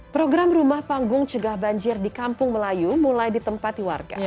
program rumah panggung cegah banjir di kampung melayu mulai ditempati warga